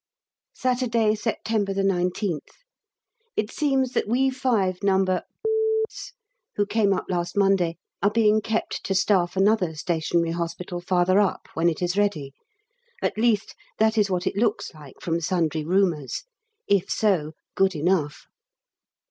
Saturday, September 19th. It seems that we five No. s who came up last Monday are being kept to staff another Stationary Hospital farther up, when it is ready; at least that is what it looks like from sundry rumours if so good enough.